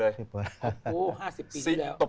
โอ้โห๕๐ปีที่แล้ว